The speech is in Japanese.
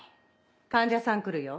患者さん来るよ。